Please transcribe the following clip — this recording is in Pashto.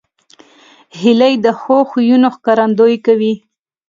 هیلۍ د ښو خویونو ښکارندویي کوي